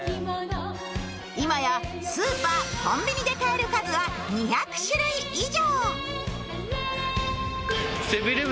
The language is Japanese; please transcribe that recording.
今やスーパー、コンビニで買える数は２００種類以上。